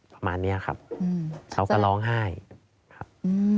ประมาณนี้ครับเขาก็ร้องไห้ครับ